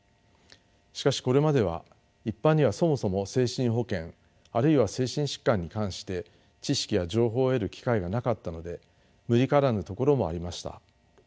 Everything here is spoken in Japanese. しかしこれまでは一般にはそもそも精神保健あるいは精神疾患に関して知識や情報を得る機会がなかったので無理からぬところもありました。